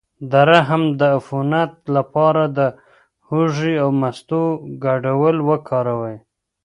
د رحم د عفونت لپاره د هوږې او مستو ګډول وکاروئ